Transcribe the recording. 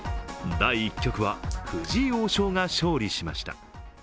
第１局は藤井王将が勝利しました。